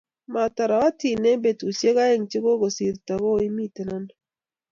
matarotin eng' betusiek oeng' che kakusirto ko imite ano?